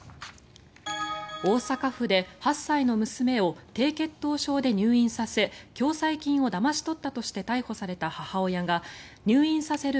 大阪府で８歳の娘を低血糖症で入院させ共済金をだまし取ったとして逮捕された母親が入院させる